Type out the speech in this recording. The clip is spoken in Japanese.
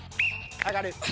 上がる。